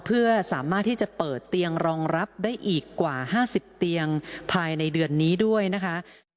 เพื่อสามารถที่จะเปิดเตียงรองรับได้อีกกว่า๕๐เตียงภายในเดือนนี้ด้วยนะคะ